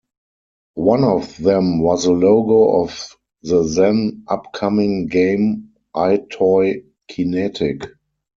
One of them was the logo of the then upcoming game, EyeToy Kinetic.